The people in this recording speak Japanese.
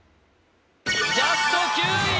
ジャスト９位！